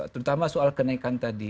terutama soal kenaikan tadi